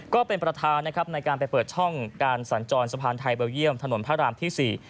ก็เป็นประธานในการไปเปิดช่องการสันจรสะพานไทยเบียวเยี่ยมทหารที่๔